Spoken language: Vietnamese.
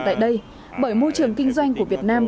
tại đây bởi môi trường kinh doanh của việt nam